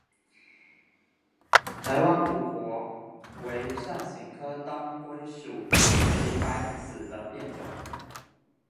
台湾独活为伞形科当归属祁白芷的变种。